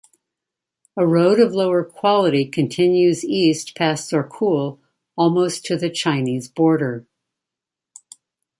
A road of lower quality continues east past Zorkul, almost to the Chinese border.